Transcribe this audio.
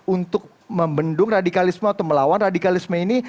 untuk membendung radikalisme atau melawan radikalisme ini